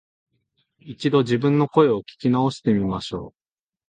一度、自分の声を聞き直してみましょう